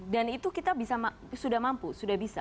dan itu kita sudah mampu